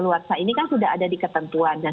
luar sahab ini kan sudah ada di ketentuan dan